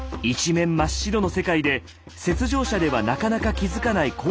一面真っ白の世界で雪上車ではなかなか気付かない